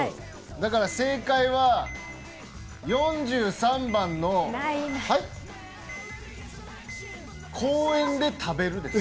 正解は４３番の公園で食べるです。